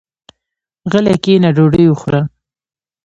غلی کېنه ډوډۍ وخوره.